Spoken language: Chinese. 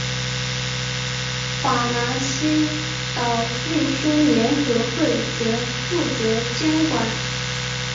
法兰西岛运输联合会则负责监管。